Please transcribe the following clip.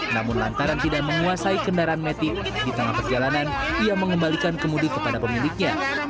namun lantaran tidak menguasai kendaraan metik di tengah perjalanan ia mengembalikan kemudi kepada pemiliknya